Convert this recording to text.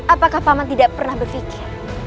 apakah paman tidak pernah berpikir